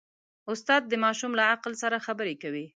استاد د ماشوم له عقل سره خبرې کوي.